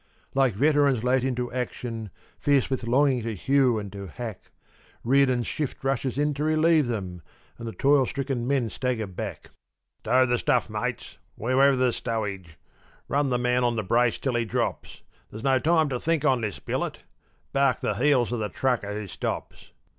Like veterans late into action, fierce with longing to hew and to hack, Riordan's shift rushes in to relieve them, and the toil stricken men stagger back. "Stow the stuff, mates, wherever there's stowage! Run the man on the brace till he drops! There's no time to think on this billet! Bark the heels of the trucker who stops!